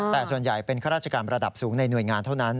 แต่ส่วนใหญ่เป็นข้าราชการระดับสูงในหน่วยงานเท่านั้น